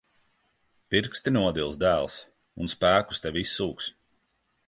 Pirksti nodils, dēls. Un spēkus tev izsūks.